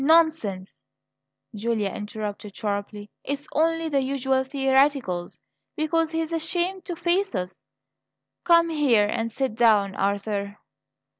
"Nonsense!" Julia interrupted sharply. "It's only the usual theatricals, because he's ashamed to face us. Come here and sit down, Arthur."